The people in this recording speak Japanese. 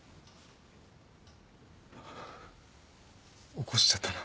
起こしちゃったな